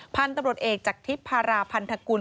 พันตำรวจเอกจากทิพราพันธกุล